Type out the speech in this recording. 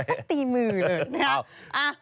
ไม่ตีมือเลยนะฮะ